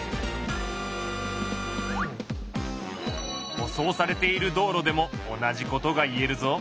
舗装されている道路でも同じことが言えるぞ。